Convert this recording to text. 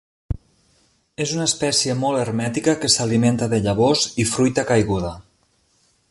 És una espècie molt hermètica que s'alimenta de llavors i fruita caiguda.